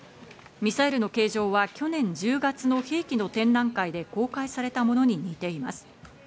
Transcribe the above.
ミサイルの形状は去年１０月の兵器の展覧会で公開されたものに似ています。